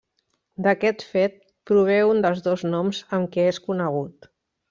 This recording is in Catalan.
D'aquest fet prové un dels dos noms amb què és conegut.